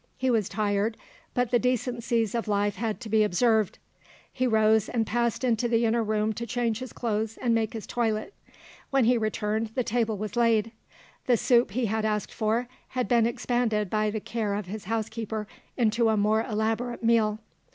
He was tired, but the decencies of life had to be observed; he rose, and passed into the inner room to change his clothes and make his toilet. When he returned, the table was laid; the soup he had asked for had been expanded by the care of his house keeper into a more elaborate meal.